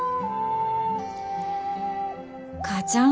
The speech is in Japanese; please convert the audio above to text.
母ちゃん。